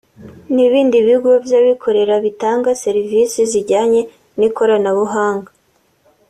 n’ibindi bigo by’abikorera bitanga serivisi zijyanye n’ikoranabuhanga